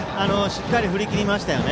しっかり振り切りました。